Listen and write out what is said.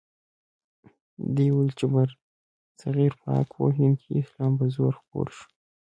دوی ویل چې برصغیر پاک و هند کې اسلام په زور خپور شو.